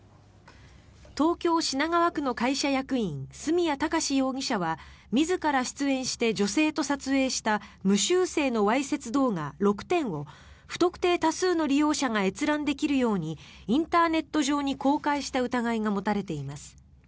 東京・品川区の会社役員角谷貴史容疑者は自ら出演して女性と撮影した無修正のわいせつ動画６点を不特定多数の利用者が閲覧できるようにインターネット上に公開した疑いが持たれています。